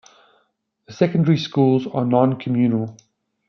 The secondary schools are non-communal.